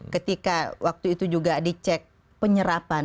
ketika waktu itu juga dicek penyerapan